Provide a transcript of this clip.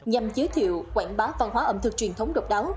nhằm giới thiệu quảng bá văn hóa ẩm thực truyền thống độc đáo